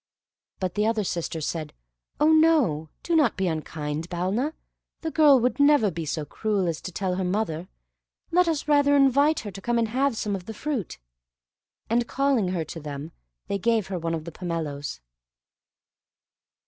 But the other sisters said, "Oh no, do not be unkind, Balna. The girl would never be so cruel as to tell her mother. Let us rather invite her to come and have some of the fruit." And calling her to them, they gave her one of the pomeloes.